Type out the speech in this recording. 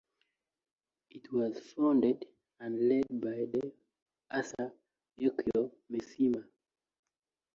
It was founded and led by the author Yukio Mishima.